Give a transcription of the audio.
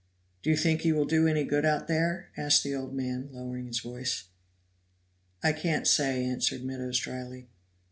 "Do you think he will do any good out there?" asked the old man, lowering his voice. "I can't say," answered Meadows dryly.